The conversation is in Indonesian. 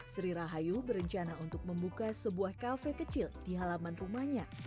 sri rahayu berencana untuk membuka sebuah kafe kecil di halaman rumahnya